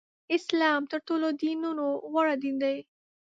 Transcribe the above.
اسلام تر ټولو دینونو غوره دین دی.